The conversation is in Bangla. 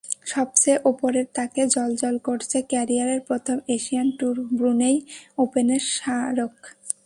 সবচেয়ে ওপরের তাকে জ্বলজ্বল করছে ক্যারিয়ারের প্রথম এশিয়ান ট্যুর ব্রুনেই ওপেনের স্মারক।